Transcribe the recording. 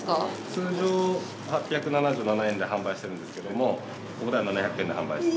通常８７７円で販売してるんですけどもここでは７００円で販売してます。